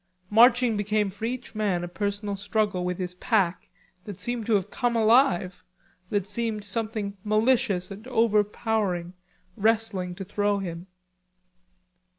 Marching became for each man a personal struggle with his pack, that seemed to have come alive, that seemed something malicious and overpowering, wrestling to throw him.